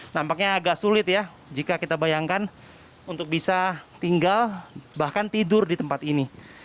nampaknya agak sulit ya jika kita bayangkan untuk bisa tinggal bahkan tidur di tempat ini